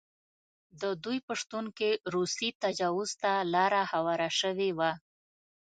د دوی په شتون کې روسي تجاوز ته لاره هواره شوې وه.